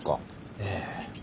ええ。